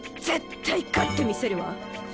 絶対勝ってみせるわ！